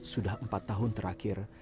sudah empat tahun terakhir